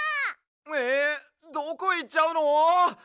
えどこいっちゃうの！？